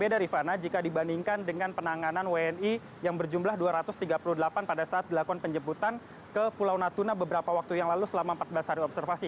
ya rifana jika dibandingkan dengan penanganan wni yang berjumlah dua ratus tiga puluh delapan pada saat dilakukan penjemputan ke pulau natuna beberapa waktu yang lalu selama empat belas hari observasi